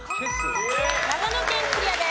長野県クリアです。